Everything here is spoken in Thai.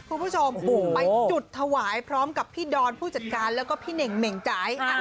ไปจุดถวายพร้อมกับพี่ดอลผู้จัดการแล้วก็พี่เหน๋งเหม่งจาย